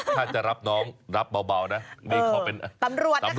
ถ้าจะรับน้องรับเบานะอันนี้ขอเป็นปำรวจนะคะ